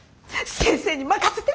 先生に任せて！